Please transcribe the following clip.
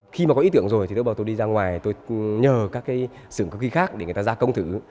khi mà có ý tưởng rồi thì tôi bảo tôi đi ra ngoài tôi nhờ các sửng cơ kỳ khác để người ta ra công thử